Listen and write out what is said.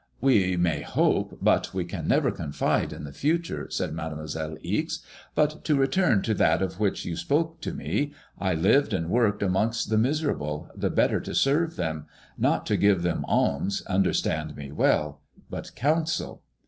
"We may hope, but we can never confide in the future," said Mademoiselle Ixe. But to return to that of which you spoke to me, I lived and worked amongst the miserable, the better to serve them ; not to give them alms — understand me well — but counsel.